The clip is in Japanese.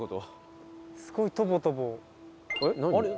すごいとぼとぼ。